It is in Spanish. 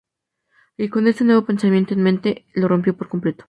Y con este nuevo pensamiento en mente lo rompió por completo.